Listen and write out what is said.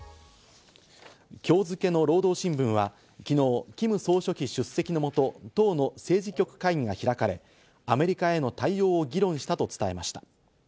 今日付の労働新聞は昨日、キム総書記出席のもと党の政治局会議が開かれ、アメリカへの対応を議論したと伝えました。